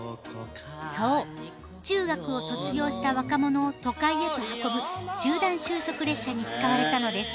そう中学を卒業した若者を都会へと運ぶ集団就職列車に使われたのです。